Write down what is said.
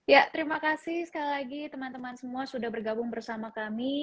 ya terima kasih sekali lagi teman teman semua sudah bergabung bersama kami